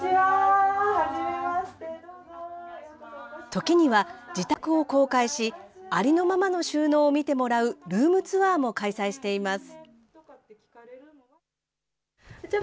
時には自宅を公開し、ありのままの収納を見てもらう、ルームツアーも開催しています。